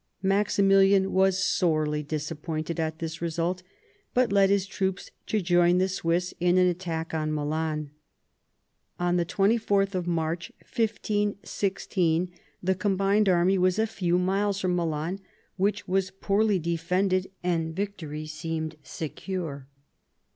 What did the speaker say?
Maximilian was sorely disappointed at this result, but led his troops to join the Swiss in an attack on Milan. On 24th March 1516, the combined army was a few miles from Milan, which was poorly defended, and victory seemed secure.